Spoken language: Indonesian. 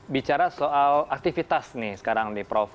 bicara soal aktivitas nih sekarang nih prof